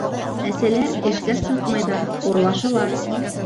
Әсәләр, эшкә сыҡмайҙар, урлашалар...